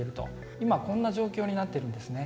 今、こんな状況になっているんですね。